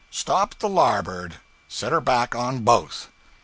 Stop the larboard. Set her back on both.'